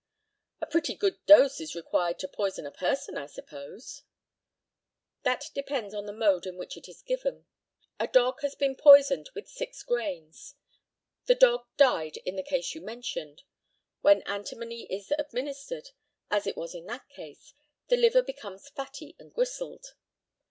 A pretty good dose is required to poison a person, I suppose? That depends on the mode in which it is given. A dog has been poisoned with six grains. The dog died in the case you mentioned. When antimony is administered, as it was in that case, the liver becomes fatty and gristled.